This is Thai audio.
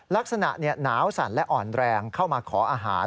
ลักษณะหนาวสั่นและอ่อนแรงเข้ามาขออาหาร